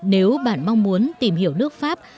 nếu bạn mong muốn tìm hiểu nước pháp